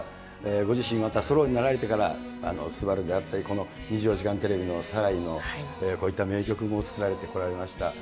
ご自身はまたソロになられてから、昴であったり、この２４時間テレビのサライの、こういった名曲も作られてこられました。